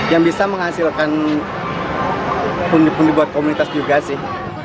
yang bisa menghasilkan pundi pundi buat komunitas juga sih